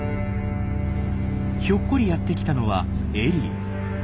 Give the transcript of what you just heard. ひょっこりやって来たのはエリー。